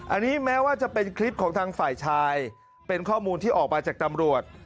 อันนี้แม้ว่าจะเป็นคลิปของทางฝ่ายชายเป็นข้อมูลที่ออกมาจากตำรวจ